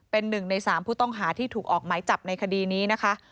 เป็น๑ใน๓ผู้ต้องหาที่ถูกออกหมายจับในคดีนี้นะคะ